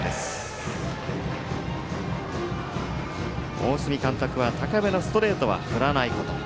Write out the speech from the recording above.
大角監督は高めのストレートは振らないこと。